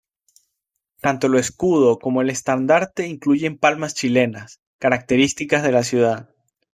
Tanto el escudo como el estandarte incluyen palmas chilenas, características de la ciudad.